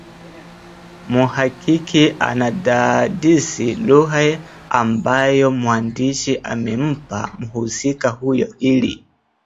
mhakiki anadadisi lugha ambayo mwandishi amempa mhusika huyo ili